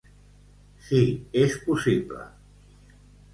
Si és possible.